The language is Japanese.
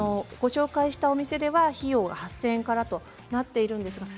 ご紹介したお店は費用は８０００円からとなっています。